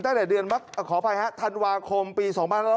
ตั้งแต่เดือนขออภัยฮะธันวาคมปี๒๕๖๐